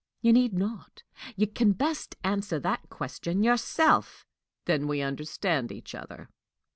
"You need not. You can best answer that question yourself." "Then we understand each other."